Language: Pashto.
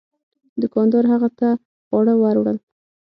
دوکاندار هغه ته خواړه ور وړل.